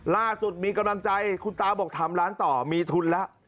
ล่าสุดมีกำลังใจคุณตาบอกทำร้านต่อมีทุนแล้ว